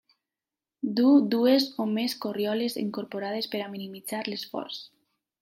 Duu dues o més corrioles incorporades per a minimitzar l'esforç.